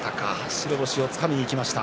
白星をつかみにいきました。